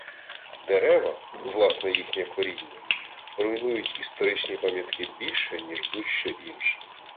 Дерева, власне їхнє коріння, руйнують історичні пам'ятки більше, ніж будь що інше.